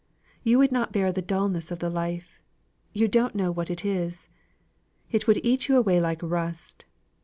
You would not bear the dulness of the life; you don't know what it is; it would eat you away like rust.